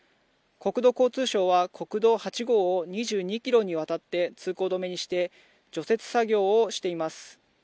国土交通省は国道８号を２２ｋｍにわたって通行止めにして除雪作業をしています。